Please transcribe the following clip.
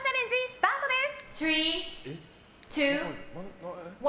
スタートです。